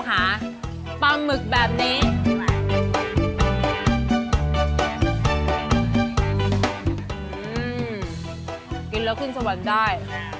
กินแล้วขึ้นสวรรค์ได้